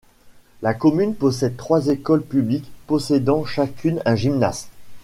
La commune possède trois écoles publics possédant chacune un gymnase.